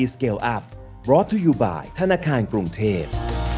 สวัสดีครับ